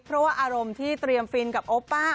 เพราะว่าอารมณ์ที่เตรียมฟินกับโอป้า